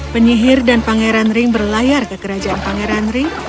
penyihir dan pangeran ring berlayar ke kerajaan pangeran ring